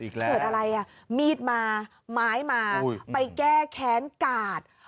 เกิดอะไรอ่ะมีดมาไม้มาไปแก้แค้นกาด